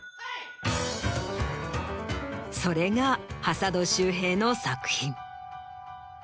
それが挾土秀平の作品。